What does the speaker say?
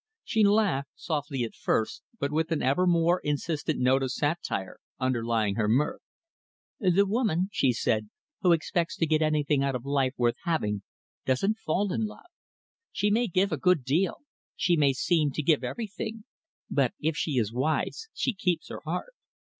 She laughed, softly at first, but with an ever more insistent note of satire underlying her mirth. "The woman," she said, "who expects to get anything out of life worth having, doesn't fall in love. She may give a good deal, she may seem to give everything, but if she is wise, she keeps her heart."